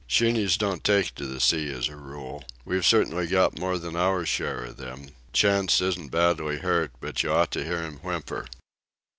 Sheenies don't take to the sea as a rule. We've certainly got more than our share of them. Chantz isn't badly hurt, but you ought to hear him whimper."